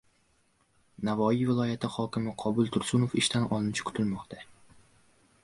Navoiy viloyati hokimi Qobul Tursunov ishdan olinishi kutilmoqda